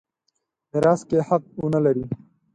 میراث کې حق ونه لري.